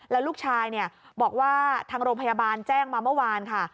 แล้วลูกชายบอกว่าทางโรงพยาบาลแจ้งมาเมื่อวานค่ะ